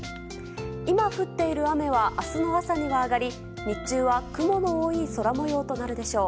今降っている雨は明日の朝には上がり日中は雲の多い空模様となるでしょう。